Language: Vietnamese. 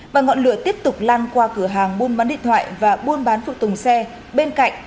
và ngọn lửa tiếp tục lan qua cửa hàng buôn bán điện thoại và buôn bán phụ tùng xe bên cạnh